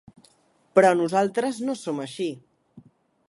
Però nosaltres no som així.